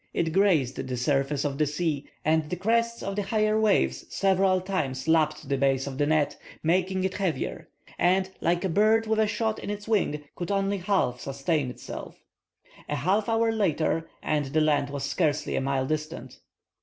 It grazed the surface of the sea, and the crests of the higher waves several times lapped the base of the net, making it heavier; and, like a bird with a shot in its wing, could only half sustain itself. A half hour later, and the land was scarcely a mile distant.